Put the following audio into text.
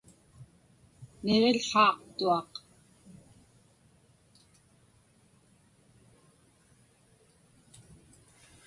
niġił̣haaqtuaq